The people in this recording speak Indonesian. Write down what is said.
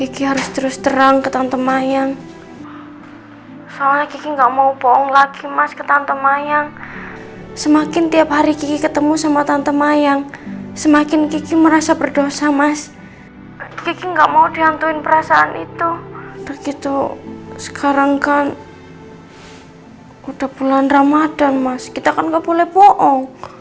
kita kan gak boleh bohong